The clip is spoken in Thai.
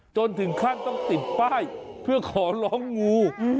จนถึงขั้นต้องติดป้ายเพื่อขอร้องงู